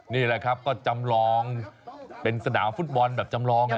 นี่แหละครับก็จำลองเป็นสนามฟุตบอลแบบจำลอง